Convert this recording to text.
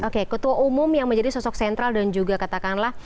oke ketua umum yang menjadi sosok sentral dan juga katakanlah